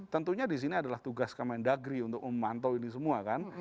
tentunya di sini adalah tugas kementerian negeri untuk memantau ini semua kan